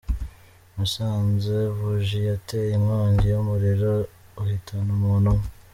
Musanze : Buji yateye inkongi y’umuriro uhitana umuntu umwe.